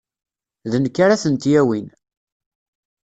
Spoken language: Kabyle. D nekk ara tent-yawin.